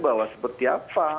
bahwa seperti apa